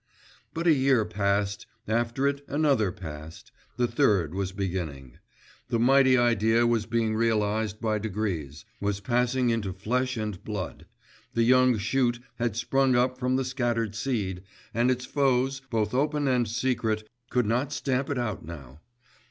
But a year passed, after it another passed, the third was beginning. The mighty idea was being realised by degrees, was passing into flesh and blood, the young shoot had sprung up from the scattered seed, and its foes, both open and secret, could not stamp it out now.